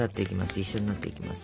一緒になっていきます。